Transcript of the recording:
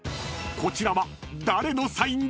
こちらは］